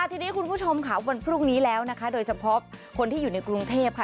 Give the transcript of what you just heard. ทีนี้คุณผู้ชมค่ะวันพรุ่งนี้แล้วนะคะโดยเฉพาะคนที่อยู่ในกรุงเทพค่ะ